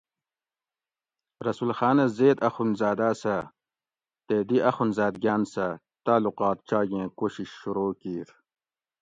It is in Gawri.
رسول خاۤنہ زید اخونزاداۤ سہ تے دی اخونزادگاۤن سہ تعلقات چاگیں کوشش شروع کیر